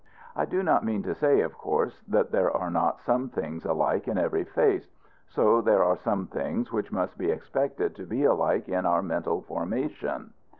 I do not mean to say, of course, that there are not some things alike in every face. So there are some things which must be expected to be alike in our mental formation.